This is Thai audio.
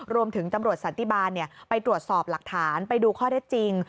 รวมถึงตำรวจสัติบาลไปตรวจสอบหลักฐานไปดูข้อได้จริง